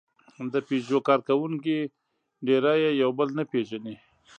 د پيژو کارکوونکي ډېری یې یو بل نه پېژني.